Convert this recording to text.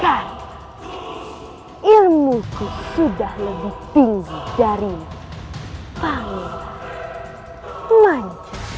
karena ilmuku sudah lebih tinggi dari panggilan manja